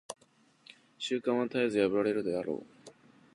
習慣は絶えず破られるであろう。